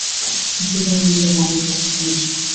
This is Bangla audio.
কিন্তু তুমি নিজের মনের কথা শুনেছ।